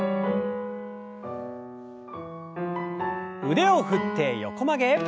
腕を振って横曲げ。